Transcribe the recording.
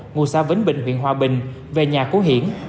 ngụ xã vĩnh bình huyện hòa bình về nhà cố hiển